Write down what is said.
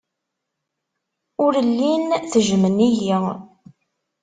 Ur llin ttejjmen-iyi.